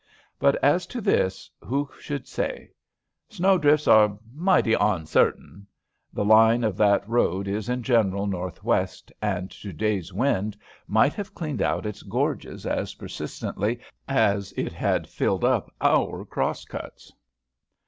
But, as to this, who should say? Snow drifts are "mighty onsartain." The line of that road is in general northwest, and to day's wind might have cleaned out its gorges as persistently as it had filled up our crosscuts.